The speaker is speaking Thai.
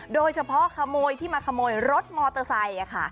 โดยเฉพาะขโมยที่มาขโมยรถมอเตอร์ไซค์